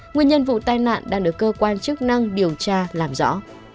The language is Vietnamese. nguyên nhân vụ tai nạn đang được cơ quan chức năng điều tra làm rõ